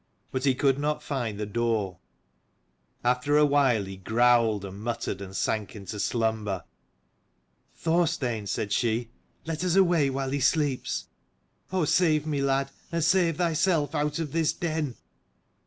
But he could not find the door* After a while he growled and 138 muttered, and sank into slumber. "Thorstein," said she, "let us away while he sleeps. Oh save me, lad, and save thyself out of this den!"